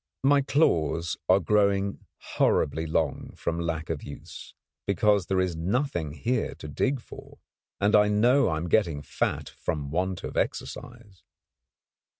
My claws are growing horribly long from lack of use, because there is nothing here to dig for; and I know I am getting fat from want of exercise.